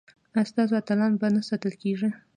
ایا ستاسو اتلان به نه ستایل کیږي؟